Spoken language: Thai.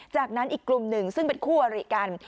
จากนั้นอีกกลุ่มหนึ่งซึ่งเป็นคู่อริกัน